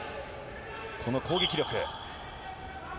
この攻撃力。